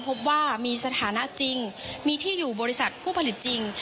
พบว่ามีสถานะจริงมีที่อยู่บริษัทผู้ผลิตจริง